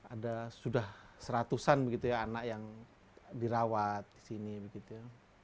ada sudah seratusan begitu ya anak yang dirawat di sini begitu